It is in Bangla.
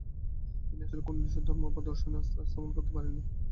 তিনি আসলে কোন নির্দিষ্ট ধর্ম বা দর্শনেই আস্থা স্থাপন করতে পারেননি।